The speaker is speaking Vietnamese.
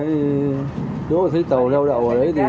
nếu thấy tàu leo đậu ở đấy thì